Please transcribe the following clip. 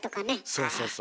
そうそうそう。